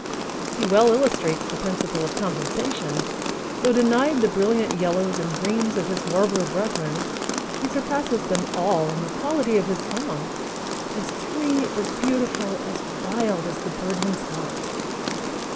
He well illustrates the principle of compensation: though denied the brilliant yellows and greens of his warbler brethren, he surpasses them all in the quality of his song, as free, as beautiful, as wild as the bird himself.